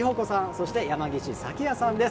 そして、山岸咲亜さんです。